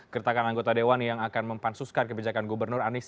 kertakan anggota dewan yang akan mempansuskan kebijakan gubernur hanis